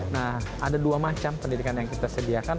nah ada dua macam pendidikan yang kita sediakan